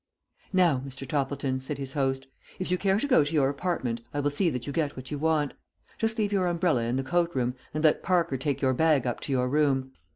"Now, Mr. Toppleton," said his host, "if you care to go to your apartment I will see that you get what you want. Just leave your umbrella in the coat room, and let Parker take your bag up to your room."